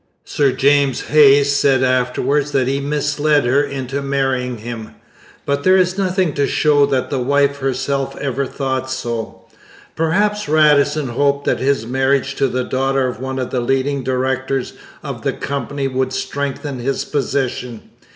Sir James Hayes said afterwards that he 'misled her into marrying him,' but there is nothing to show that the wife herself ever thought so. Perhaps Radisson hoped that his marriage to the daughter of one of the leading directors of the Company would strengthen his position.